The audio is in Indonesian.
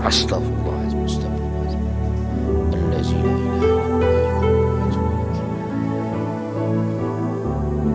assalamualaikum warahmatullahi wabarakatuh